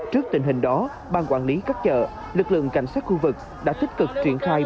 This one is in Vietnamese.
trước tình hình đó bang quản lý các chợ lực lượng cảnh sát khu vực đã tích cực triển khai